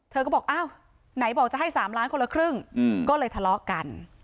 เธอก็บอกอ้าวไหนบอกจะให้๓ล้านคนละครึ่งก็เลยทะเลาะกัน